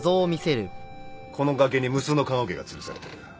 この崖に無数の棺おけがつるされてる。